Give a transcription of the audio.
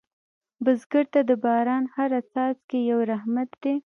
بزګر ته د باران هره څاڅکې یو رحمت دی